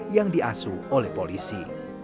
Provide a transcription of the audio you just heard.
yang diasuh oleh polisi